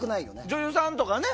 女優さんとかね。